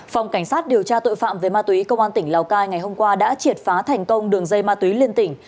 phòng cảnh sát điều tra tội phạm về ma túy công an tỉnh lào cai ngày hôm qua đã triệt phá thành công đường dây ma túy liên tỉnh